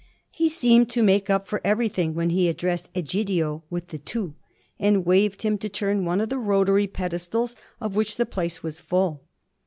He seemed to make up for everything when he addressed Egidio with the 'tu' and waved him to turn one of the rotary pedestals of which the place was full.